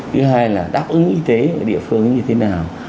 thứ hai là đáp ứng y tế ở địa phương như thế nào